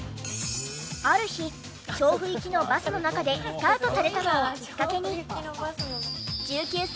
ある日調布行きのバスの中でスカウトされたのをきっかけに。